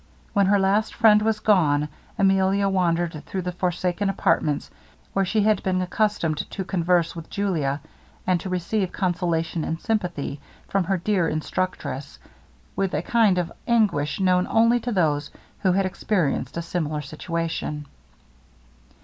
When her last friend was gone, Emilia wandered through the forsaken apartments, where she had been accustomed to converse with Julia, and to receive consolation and sympathy from her dear instructress, with a kind of anguish known only to those who have experienced a similar situation.